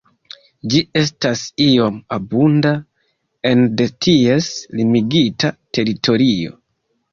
Ĝi estas iom abunda ene de ties limigita teritorio.